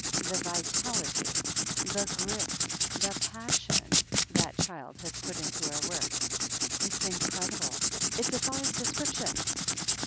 "The vitality, the grip, the passion, that child has put into her work! It's incredible — it defies description.